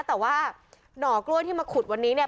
แต่ว่าหน่อกล้วยที่มาขุดวันนี้เนี่ย